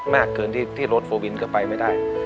มากเกินที่รถโฟวินก็ไปไม่ได้